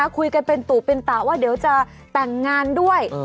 คุยกันเป็นตู่เป็นตะว่าเดี๋ยวจะแต่งงานด้วย